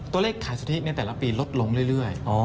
ตัวเลขขายสุทธิในแต่ละปีลดลงเรื่อย